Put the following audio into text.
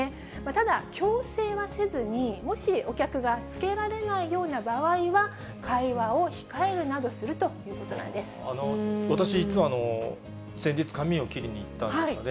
ただ、強制はせずに、もしお客が着けられないような場合は、会話を控えるなどするとい私、実は先日、髪を切りに行ったんですね。